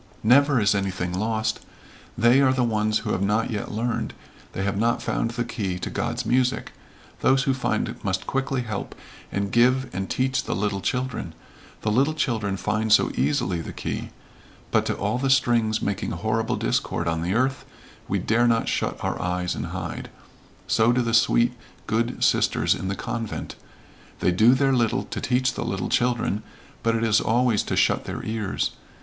"Never is anything lost. They are the ones who have not yet learned they have not found the key to God's music. Those who find must quickly help and give and teach the little children the little children find so easily the key but to all the strings making horrible discord on the earth we dare not shut our ears and hide so do the sweet, good sisters in the convent. They do their little to teach the little children, but it is always to shut their ears.